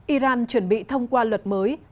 iran chuẩn bị thông qua luật mới